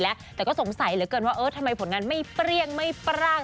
แล้วแต่ก็สงสัยเหลือเกินว่าเออทำไมผลงานไม่เปรี้ยงไม่ปร่าง